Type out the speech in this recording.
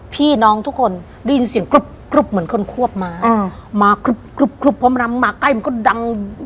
พี่น้องทุกคนได้ยินเสียงกรุ๊บเหมือนคนควบมามากรึ๊บพร้อมล้ำมาใกล้มันก็ดัง